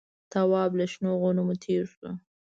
تواب له شنو غنمو تېر شو.